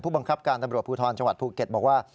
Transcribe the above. ผู้บังครับการตำรวจพูเทิญก็บอกว่า